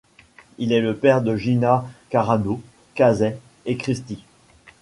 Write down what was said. Il est le père de Gina Carano, Kasey et Christi.